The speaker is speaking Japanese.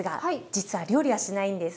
実は料理はしないんです。